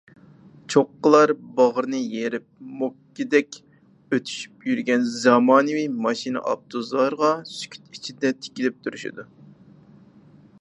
چوققىلار باغرىنى يېرىپ، موكىدەك ئۆتۈشۈپ يۈرگەن زامانىۋى ماشىنا-ئاپتوبۇسلارغا سۈكۈت ئىچىدە تىكىلىپ تۇرۇشىدۇ.